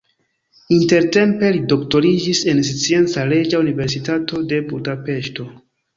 Intertempe li doktoriĝis en Scienca Reĝa Universitato de Budapeŝto.